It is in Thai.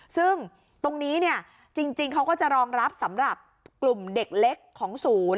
ซึ่งตรงนี้เนี่ยจริงเขาก็จะรองรับสำหรับกลุ่มเด็กเล็กของศูนย์